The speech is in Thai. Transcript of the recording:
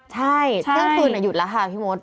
ใช่เที่ยงคืนหยุดแล้วค่ะพี่มด